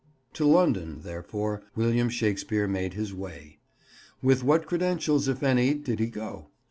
To London, therefore, William Shakespeare made his way. With what credentials, if any, did he go?